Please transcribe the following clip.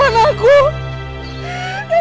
dan sekarang aku hamil